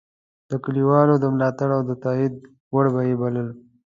د کلیوالو د ملاتړ او تایید وړ به یې بلل.